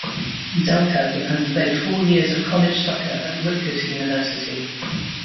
Delco, and played four years of college soccer at Rutgers University.